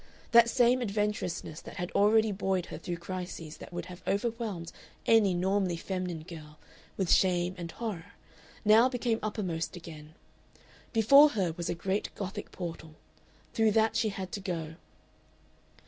That same adventurousness that had already buoyed her through crises that would have overwhelmed any normally feminine girl with shame and horror now became uppermost again. Before her was a great Gothic portal. Through that she had to go.